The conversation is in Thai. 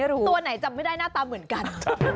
ตัวไหนจำไม่ได้หน้าตาเหมือนกัน